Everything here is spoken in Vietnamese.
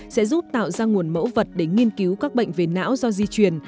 sẽ giúp tạo ra nguồn mẫu vật để nghiên cứu các bệnh về não do di truyền